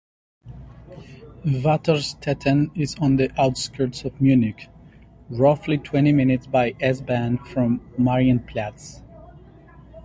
Vaterstetten is on the outskirts of Munich, roughly twenty minutes by S-Bahn from Marienplatz.